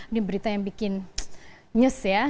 di berita yang bikin nyus ya